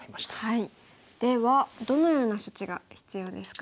ではどのような処置が必要ですか？